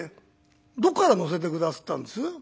「どこから乗せて下すったんです？」。